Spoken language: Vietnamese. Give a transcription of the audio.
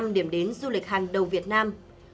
năm điểm đến du lịch hàng đầu việt nam